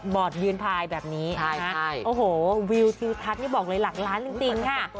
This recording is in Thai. ยืนพายแบบนี้โอ้โหวิวทิวทัศน์นี่บอกเลยหลักล้านจริงค่ะ